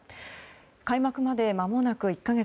開幕までまもなく１か月。